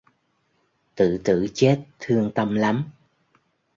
Tự tử chết thương tâm lắm